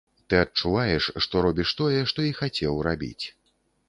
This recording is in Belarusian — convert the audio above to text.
Ты адчуваеш, што робіш тое, што і хацеў рабіць.